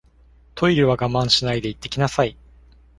トイレは我慢しないで行ってきなさい